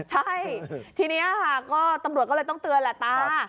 ใช่ทีนี้ค่ะก็ตำรวจก็เลยต้องเตือนแหละตา